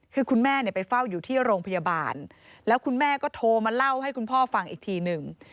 คือคุณแม่เนี่ยไปเฝ้าอยู่ที่โรงพยาบาลแล้วคุณแม่ก็โทรมาเล่าให้คุณพ่อฟังอีกทีหนึ่ง